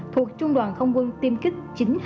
thuộc trung đoàn không quân tiêm kích chín trăm hai mươi